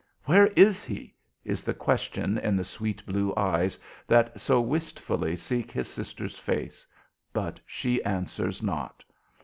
"Where is he?" is the question in the sweet blue eyes that so wistfully seek his sister's face; but she answers not.